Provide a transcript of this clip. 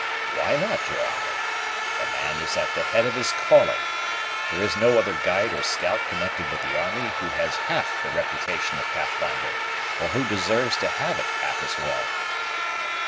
"Why not, your honor? The man is at the head of his calling. There is no other guide or scout connected with the army who has half the reputation of Pathfinder, or who deserves to have it half as well."